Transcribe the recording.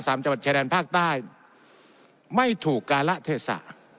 จังหวัดชายแดนภาคใต้ไม่ถูกการละเทศะ